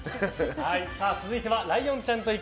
続いてはライオンちゃんと行く！